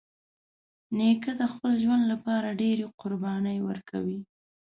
نیکه د خپل ژوند له پاره ډېری قربانۍ ورکوي.